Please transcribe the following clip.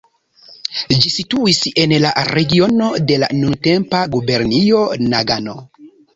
Ĝi situis en la regiono de la nuntempa gubernio Nagano.